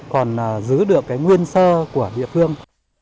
còn giữ được cái nguyên sơ của địa phương